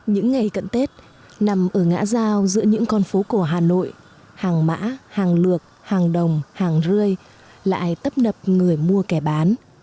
những ngày cận tết nằm ở ngã giao giữa những con phố cổ hà nội hàng mã hàng lược hàng đồng hàng rươi lại tấp nập người mua kẻ bán